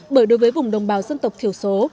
bởi đối với vùng đồng bào dân tộc thiểu số